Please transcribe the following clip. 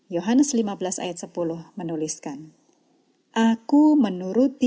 yohanes lima belas ayat sepuluh menuliskan